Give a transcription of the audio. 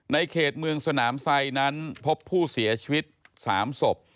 ในเขตเมืองสนามไซดนั้นพบผู้เสียชีวิต๓ศพ